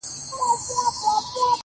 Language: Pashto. دا برخه د کيسې تر ټولو توره مرحله ده,